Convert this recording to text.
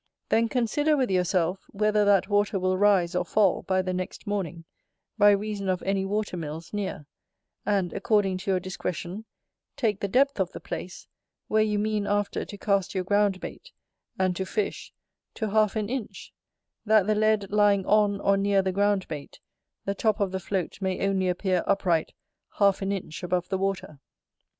Then consider with yourself, whether that water will rise or fall by the next morning, by reason of any water mills near; and, according to your discretion, take the depth of the place, where you mean after to cast your ground bait, and to fish, to half an inch; that the lead lying on or near the ground bait, the top of the float may only appear upright half an inch above the water.